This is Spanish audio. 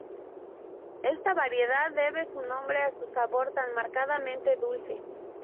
Esta variedad debe su nombre a su sabor tan marcadamente dulce.